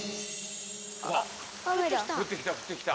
降ってきた降ってきた。